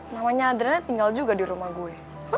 namanya adrena tinggal juga di rumah gue